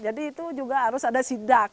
jadi itu juga harus ada sidak